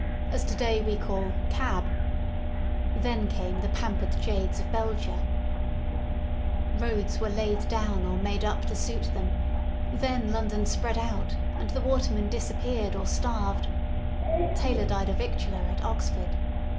^' as to day we call Cab/* Then came the pampered jades of Belgia/* Roads were laid down or made up to suit them» then London spread out and the watermen disappeared or starved, (Taylor died a victualler " at Oxford.)